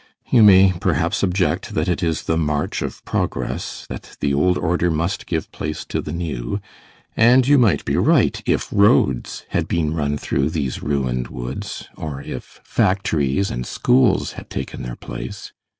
You may perhaps object that it is the march of progress, that the old order must give place to the new, and you might be right if roads had been run through these ruined woods, or if factories and schools had taken their place.